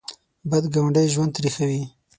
بد ګاونډی ژوند تریخوي